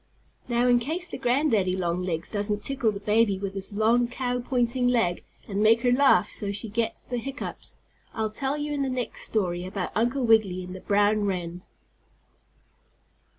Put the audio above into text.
Now in case the granddaddy longlegs doesn't tickle the baby with his long cow pointing leg and make her laugh so she gets the hiccoughs, I'll tell you in the next story about Uncle Wiggily and the brown wren.